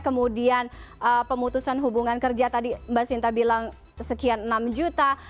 kemudian pemutusan hubungan kerja tadi mbak sinta bilang sekian enam juta